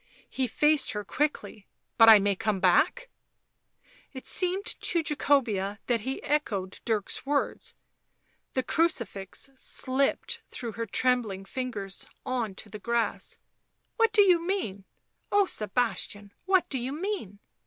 He faced her quickly. " But I may come back ?" It seemed to Jacobea that he echoed Dirk's words; the crucifix slipped through her trembling fingers on to the grass. " What do you mean ? Oh, Sebastian, what do you mean